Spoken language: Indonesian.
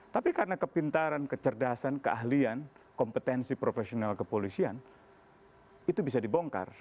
tapi karena kepintaran kecerdasan keahlian kompetensi profesional kepolisian itu bisa dibongkar